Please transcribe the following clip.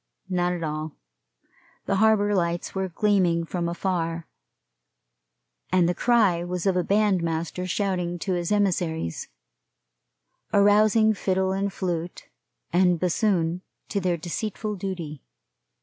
Not at all. The harbor lights were gleaming from afar; and the cry was of the bandmaster shouting to his emissaries, arousing fiddle and flute and bassoon to their deceitful duty.